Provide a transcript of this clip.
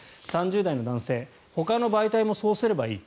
３０代の男性ほかの媒体もそうすればいい。